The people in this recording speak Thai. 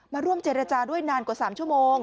มาร่วมเจรจาด้วยนานกว่า๓ชั่วโมง